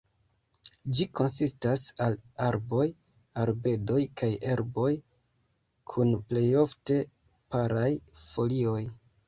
Ĝi konsistas el arboj, arbedoj kaj herboj kun plejofte paraj folioj.